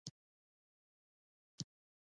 د سارې په موټر کې زړه بد شو.